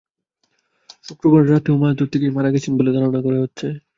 শুক্রবার রাতেও মাছ ধরতে গিয়ে মারা গেছেন বলে ধারণা করা হচ্ছে।